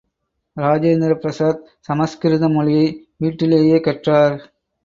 இரோஜேந்திர பிரசாத், சமஸ்கிருத மொழியை வீட்டிலேயே கற்றார்.